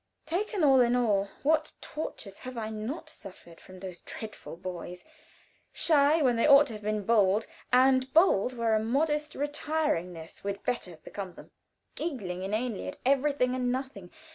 Taken all in all, what tortures have I not suffered from those dreadful boys. Shy when they ought to have been bold, and bold where a modest retiringness would better have become them. Giggling inanely at everything and nothing.